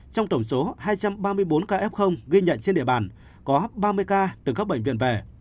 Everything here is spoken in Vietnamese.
trong tổng số hai trăm ba mươi bốn ca f ghi nhận trên địa bàn có ba mươi ca từ các bệnh viện về